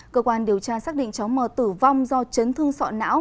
cơ quan điều tra xác định cháu m tử vong do chấn thương sọ não